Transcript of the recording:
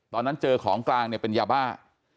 ตอนนั้นเจอของกลางเนี่ยเป็นยาบ้า